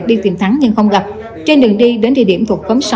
đi tìm thắng nhưng không gặp trên đường đi đến địa điểm thuộc xóm sáu